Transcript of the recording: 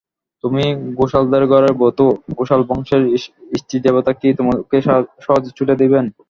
তুমি ঘোষালদের ঘরের বউ তো, ঘোষাল-বংশের ইষ্টিদেবতা কি তোমাকে সহজে ছুটি দেবেন?